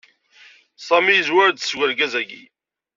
Sami yezwar-d seg wergaz-agi.